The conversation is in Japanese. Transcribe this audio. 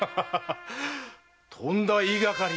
とんだ言いがかりだ。